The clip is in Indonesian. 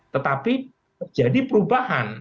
tetapi jadi perubahan